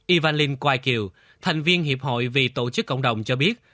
yvan linh quai kiều thành viên hiệp hội vì tổ chức cộng đồng cho biết